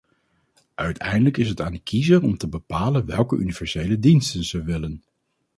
Uiteindelijk is het aan de kiezer om te bepalen welke universele diensten ze willen.